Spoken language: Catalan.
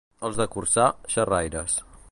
Els de Corçà, xerraires.